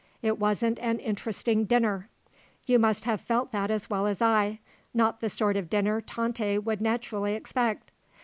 It wasn't an interesting dinner, you must have felt that as well as I, not the sort of dinner Tante would naturally expect.